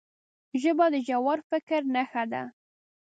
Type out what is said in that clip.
ژبه د ژور فکر نښه ده